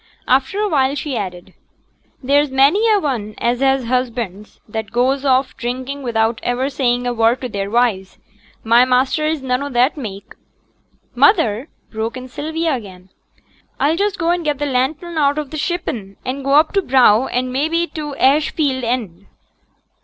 After a while she added, 'There's many a one as has husbands that goes off drinking without iver saying a word to their wives. My master is none o' that mak'.' 'Mother,' broke in Sylvia again, 'I'll just go and get t' lantern out of t' shippen, and go up t' brow, and mebbe to t' ash field end.'